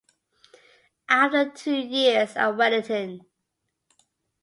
After two years at Wellington.